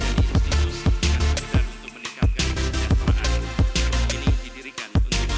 yang kita menemukan